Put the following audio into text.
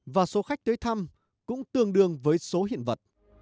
và số khách tới thăm cũng tương đương với số hiện vật